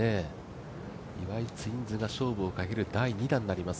岩井ツインズが勝負をかける第２打になります